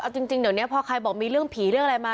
เอาจริงเดี๋ยวนี้พอใครบอกมีเรื่องผีเรื่องอะไรมา